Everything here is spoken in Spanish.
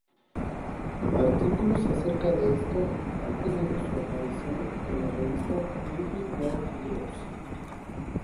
Artículos acerca de esto han tenido su aparición en la revista "Weekly World News".